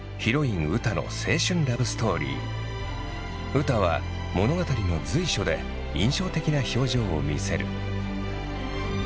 ウタは物語の随所で印象的な表情を見せる。